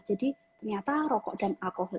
jadi ternyata rokok dan alkohol